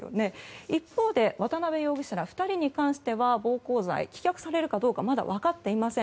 一方で渡邉容疑者ら２人に関しては暴行罪、棄却されるかどうかはまだ分かっていません。